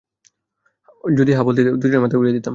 যদি হ্যাঁ বলতি, দুজনের মাথাই উড়িয়ে দিতাম।